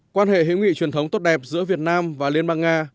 quan hệ hữu nghị truyền thống tốt đẹp giữa việt nam và liên bang nga